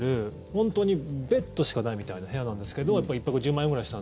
本当にベッドしかないみたいな部屋なんですけどえ？